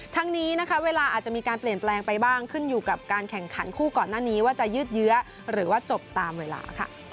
ทั้งนี้นะคะเวลาอาจจะมีการเปลี่ยนแปลงไปบ้างขึ้นอยู่กับการแข่งขันคู่ก่อนหน้านี้ว่าจะยืดเยื้อหรือว่าจบตามเวลาค่ะ